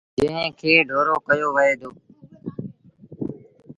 جݩهݩ کي ڍورو ڪهيو وهي دو۔